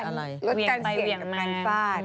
ลดกันเสียจากการฟาด